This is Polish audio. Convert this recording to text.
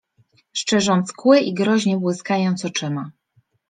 szczerząc kły i groźnie błyskając oczyma.